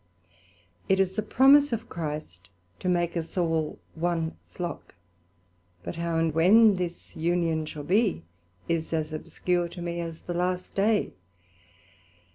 It is the promise of Christ to make us all one Flock; but how and when this Union shall be, is as obscure to me as the last day.